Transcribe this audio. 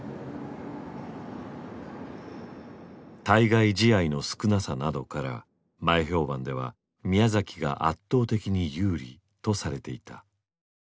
対外試合の少なさなどから前評判では宮崎が圧倒的に有利とされていた。